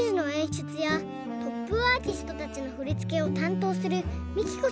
しゅつやトップアーティストたちのふりつけをたんとうするＭＩＫＩＫＯ